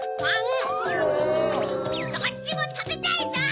どっちもたべたいゾウ！